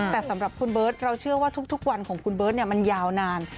แต่สำหรับคุณเบิร์ตเราเชื่อว่าทุกวันของคุณเบิร์ตมันยาวนาน